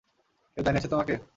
কেউ জানিয়েছে তোমাকে?